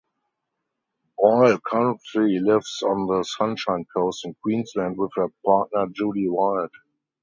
Boyle currently lives on the Sunshine Coast in Queensland with her partner Judy Wild.